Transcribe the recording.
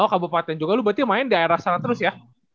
oh kabupaten juga lo berarti main di area sana terus ya